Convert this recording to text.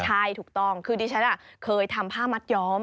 ใช่ถูกต้องคือดิฉันเคยทำผ้ามัดย้อม